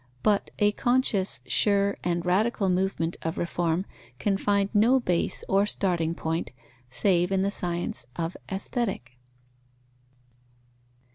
But a conscious, sure, and radical movement of reform can find no base or starting point, save in the science of Aesthetic.